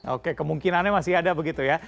oke kemungkinannya masih ada begitu ya